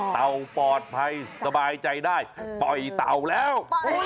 ปลอดภัยสบายใจได้ปล่อยเต่าแล้ว